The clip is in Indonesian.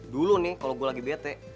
dulu nih kalau gue lagi bete